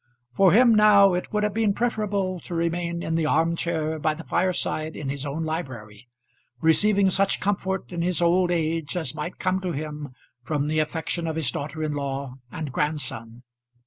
For him now it would have been preferable to remain in the arm chair by the fireside in his own library, receiving such comfort in his old age as might come to him from the affection of his daughter in law and grandson.